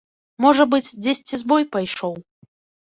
Можа быць, дзесьці збой пайшоў.